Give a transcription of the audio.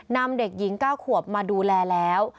นำเด็กหญิง๙ขวบมาดูแลแล้ว